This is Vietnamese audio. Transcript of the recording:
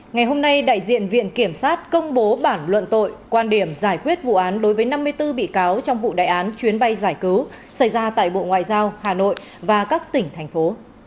ngày hôm nay đại diện viện kiểm sát công bố bản luận tội quan điểm giải quyết vụ án đối với năm mươi bốn bị cáo trong vụ đại án chuyến bay giải cứu xảy ra tại bộ ngoại giao hà nội và các tỉnh thành phố